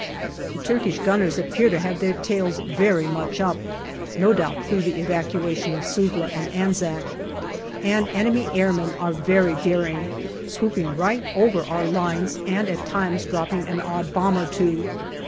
The Turkish 20 306 GALLIPOLI DIARY gunners appear to have their tails very much up, no doubt through the evacuation of Suvla and Anzac. And enemy airmen are very daring, swooping right over our lines and at times dropping an odd bomb or two.